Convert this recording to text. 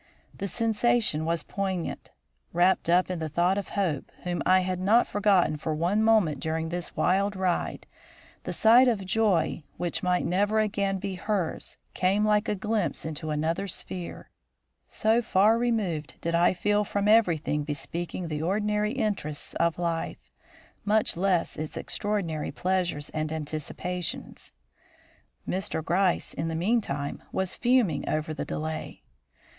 The sensation was poignant. Wrapt up in the thought of Hope, whom I had not forgotten for one moment during this wild ride, the sight of joy which might never again be hers came like a glimpse into another sphere, so far removed did I feel from everything bespeaking the ordinary interests of life, much less its extraordinary pleasures and anticipations. Mr. Gryce in the meantime was fuming over the delay.